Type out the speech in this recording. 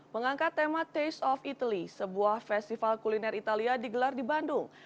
mengangkat tema taste of italy sebuah festival kuliner italia digelar di bandung